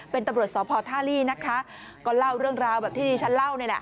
เป็นตำรวจสพท่าลี่นะคะก็เล่าเรื่องราวแบบที่ดิฉันเล่านี่แหละ